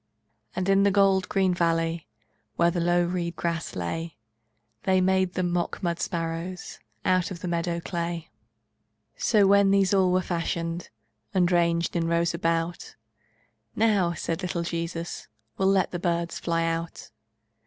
And in the gold green valley, Where low the reed grass lay, They made them mock mud sparrows Out of the meadow clay. So, when these all were fashioned, And ranged in rows about, "Now," said the little Jesus, "We'll let the birds fly out."